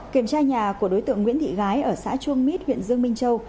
kiểm tra nhà của đối tượng nguyễn thị gái ở xã chuông mít huyện dương minh châu